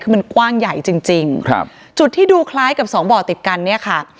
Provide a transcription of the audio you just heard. คือมันกว้างใหญ่จริงจริงครับจุดที่ดูคล้ายกับสองบ่อติดกันเนี่ยค่ะ